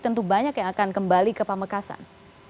tentu banyak yang akan kembali ke pamekasan